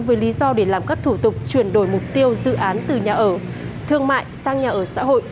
với lý do để làm các thủ tục chuyển đổi mục tiêu dự án từ nhà ở thương mại sang nhà ở xã hội